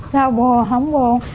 sao buồn không buồn